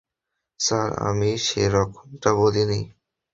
Sir, আমি সেরকমটা বলিনি।